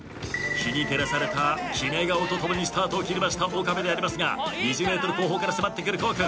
日に照らされた決め顔とともにスタートを切りました岡部でありますが２０ｍ後方から迫ってくる胡央君。